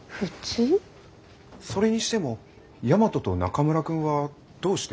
それにしても大和と中村くんはどうして？